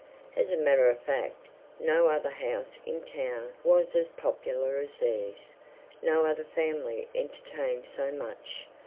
As a matter of fact, no other house in the town was as popular as theirs; no other family entertained so much.